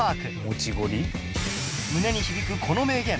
胸に響くこの名言